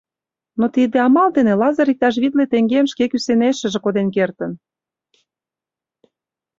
Но тиде амал дене Лазыр иктаж витле теҥгем шке кӱсенешыже коден кертын.